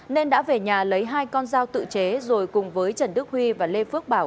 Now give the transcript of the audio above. nên đã về nhà lấy hai con dao tự chế rồi cùng với trần đức huy và lê phước bảo